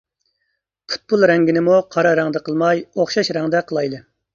پۇتبول رەڭگىنىمۇ قارا رەڭدە قىلماي ئوخشاش رەڭدە قىلايلى.